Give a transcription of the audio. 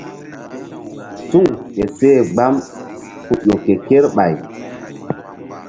Suŋ ke seh gbam ku ƴo ke kerɓay.